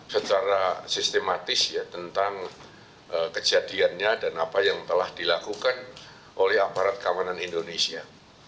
secara sistematis ya tentang kejadiannya dan apa yang telah dilakukan oleh aparat kawanan indonesia